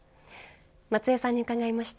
松江さんに伺いました。